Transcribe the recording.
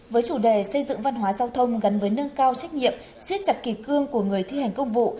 với chủ đề xây dựng văn hóa giao thông gắn với nâng cao trách nhiệm siết chặt kỳ cương của người thi hành công vụ